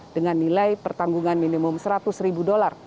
dengan nilai pertanggungan minimum seratus ribu dolar